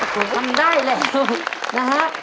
ทำได้แล้วนะฮะ